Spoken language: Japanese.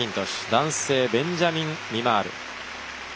男性、ベンジャミン・ミマール。